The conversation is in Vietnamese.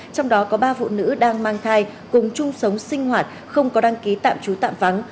trong đó có ba phụ nữ đang mang thai cùng chung sống sinh hoạt không có đăng ký tạm trú tạm vắng